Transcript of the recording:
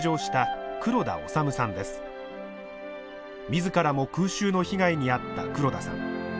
自らも空襲の被害に遭った黒田さん。